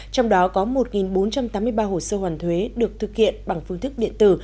trong đó có một bốn trăm tám mươi ba hồ sơ hoàn thuế được thực hiện bằng phương thức điện tử